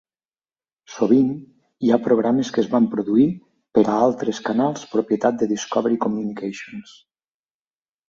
Sovint hi ha programes que es van produir per a altres canals propietat de Discovery Communications.